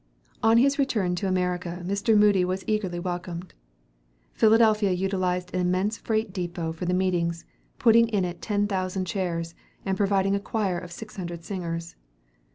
On his return to America, Mr. Moody was eagerly welcomed. Philadelphia utilized an immense freight depot for the meetings, putting in it ten thousand chairs, and providing a choir of six hundred singers.